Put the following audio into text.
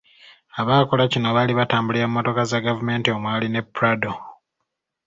Abaakola kino baali batambulira mu mmotoka za gavumenti omwali ne Prado.